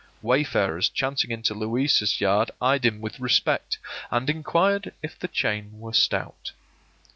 Wayfarers chancing into Louisa's yard eyed him with respect, and inquired if the chain were stout.